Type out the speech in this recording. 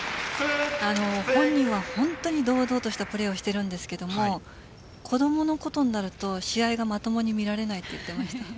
本人は本当に堂々としたプレーをしているんですが子供のことになると試合がまともに見られないと言っていました。